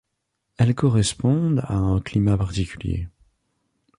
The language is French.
Elles correspondent à un climat particulier.